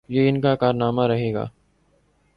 یہ ان کا کارنامہ رہے گا۔